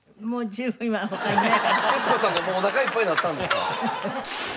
徹子さんがもうお腹いっぱいになったんですか？